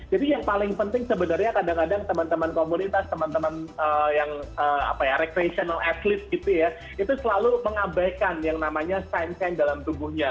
jadi yang paling penting sebenarnya kadang kadang teman teman komunitas teman teman yang recreational athlete gitu ya itu selalu mengabaikan yang namanya sign sign dalam tubuhnya